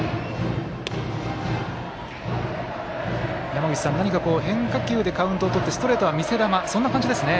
山口さん、なにか変化球でカウントをとってストレートは見せ球そんな感じですね。